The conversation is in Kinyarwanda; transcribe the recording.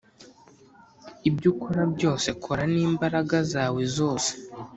ibyo ukora byose, kora n'imbaraga zawe zose.